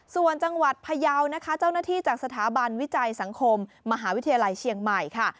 ส่วนจังหวัดพยาวนะคะเจ้าหน้าที่จากสถาบันวิจัยสังคมมหาวิทยาลัยเชียงใหม่ค่ะ